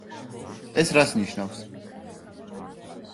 ეს რას ნიშნავს?